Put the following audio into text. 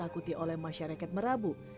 paling ditakuti oleh masyarakat merabu